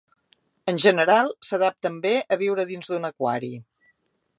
En general, s'adapten bé a viure dins d'un aquari.